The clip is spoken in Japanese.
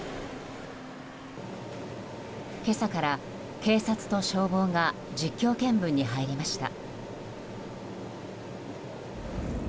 今朝から警察と消防が実況見分に入りました。